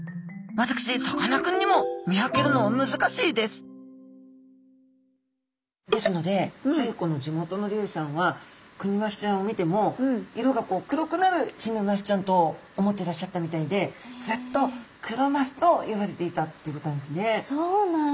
私さかなクンにも見分けるのは難しいですですので西湖の地元の漁師さんはクニマスちゃんを見ても色が黒くなるヒメマスちゃんと思ってらっしゃったみたいでずっとクロマスと呼ばれていたっていうことなんですね。